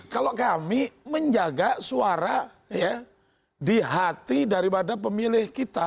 kalau kami menjaga suara di hati daripada pemilih kita